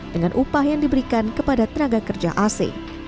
dengan upah yang diberikan kepada tenaga kerja asing